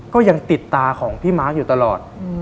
ก็ยังติดตาของพี่มาร์คอยู่ตลอด